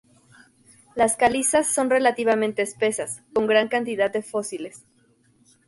Las calizas son relativamente espesas, con gran cantidad de fósiles.